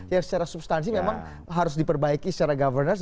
yang secara substansi memang harus diperbaiki secara governance